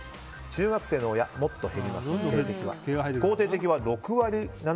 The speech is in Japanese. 中学生の親、もっと減ります否定的が。